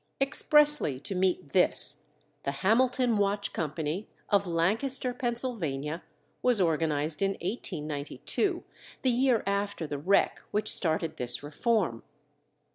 Expressly to meet this, the Hamilton Watch Company, of Lancaster, Pennsylvania, was organized in 1892, the year after the wreck which started this reform.